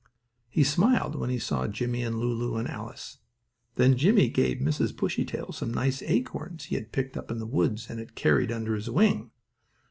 He smiled when he saw Jimmie and Lulu and Alice. Then Jimmie gave Mrs. Bushytail some nice acorns he had picked up in the woods and had carried under his wing.